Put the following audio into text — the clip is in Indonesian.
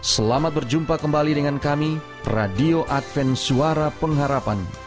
selamat berjumpa kembali dengan kami radio adven suara pengharapan